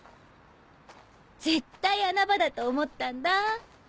絶対穴場だと思ったんだ。